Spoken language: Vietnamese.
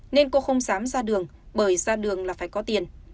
nên cô không dám ra đường bởi ra đường là phải có tiền